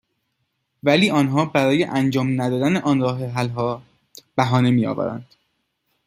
ولی آنها برای انجام ندادن آن راه حل ها بهانه میآورند